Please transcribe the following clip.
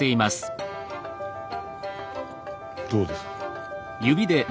どうですか？